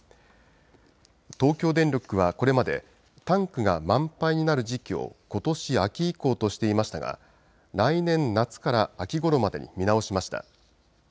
東京電力はこれまでタンクが満杯になる時期をことし秋以降としていましたが来年夏から秋ごろまでに見直しました。